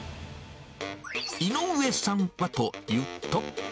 井上さんはというと。